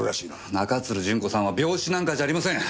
中津留順子さんは病死なんかじゃありません。